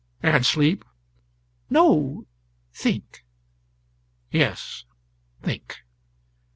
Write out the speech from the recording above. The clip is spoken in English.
"And sleep?" "No; think." "Yes; think."